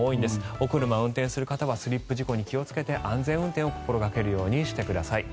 お車、運転する方はスリップ事故に気をつけて安全運転を心掛けるようにしてください。